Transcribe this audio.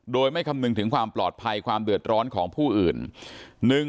โดยไม่คำนึงถึงความปลอดภัยความเดือดร้อนของผู้อื่น